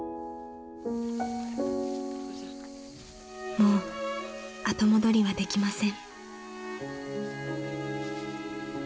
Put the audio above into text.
［もう後戻りはできません］